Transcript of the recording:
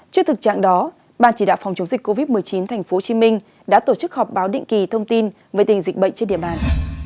trước thực trạng đó ban chỉ đạo phòng chống dịch covid một mươi chín tp hcm đã tổ chức họp báo định kỳ thông tin về tình dịch bệnh trên địa bàn